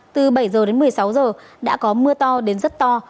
từ bảy h đến một mươi sáu h đã có mưa to đến rất to